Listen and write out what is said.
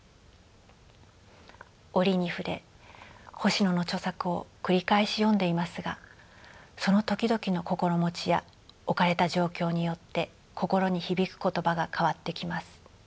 折に触れ星野の著作を繰り返し読んでいますがその時々の心持ちや置かれた状況によって心に響く言葉が変わってきます。